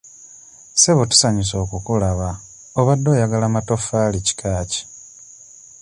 Ssebo tusanyuse okukulaba obadde oyagala matofaali kika ki?